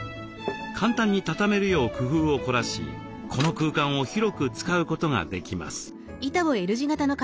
簡単に畳めるよう工夫を凝らしこの空間を広く使うことができます。